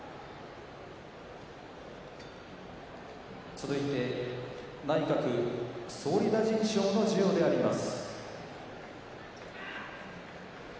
続いて内閣総理大臣杯の授与です。